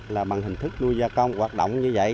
là bằng hình thức nuôi gia công hoạt động như vậy